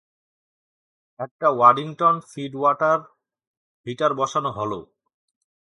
একটা Worthington feedwater heater বসানো হলো।